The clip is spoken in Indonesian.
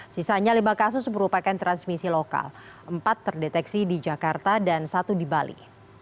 sisanya lima kasus merupakan transmisi lokal empat terdeteksi di jakarta dan satu di bali